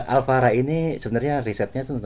alfara ini sebenernya risetnya